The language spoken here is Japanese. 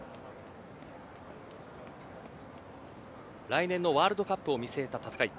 来年のワールドカップを見据えた戦い。